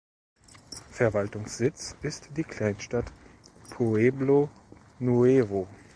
Verwaltungssitz ist die Kleinstadt Pueblo Nuevo.